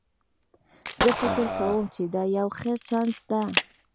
زه فکر کوم چې دا یو ښه چانس ده